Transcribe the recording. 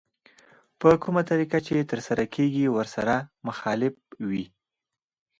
په کومه طريقه چې ترسره کېږي ورسره مخالف وي.